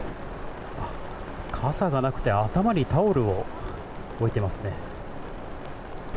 傘がなくて、頭にタオルを置いてますね。